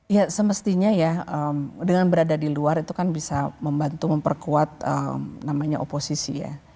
ya semestinya ya dengan berada di luar itu kan bisa membantu memperkuat namanya oposisi ya